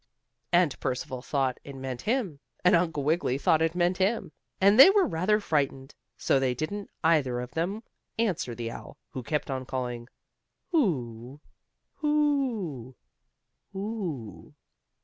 and Percival thought it meant him, and Uncle Wiggily thought it meant him, and they were rather frightened, so they didn't either of them answer the owl, who kept on calling "Who? Who? Who?"